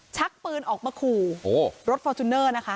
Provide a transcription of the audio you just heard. ชักปืนออกมาขู่รถฟอร์จูเนอร์นะคะ